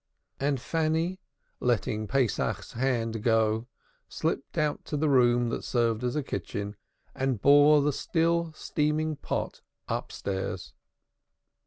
And Fanny, letting Pesach's hand go, slipped out to the room that served as a kitchen, and bore the still steaming pot upstairs.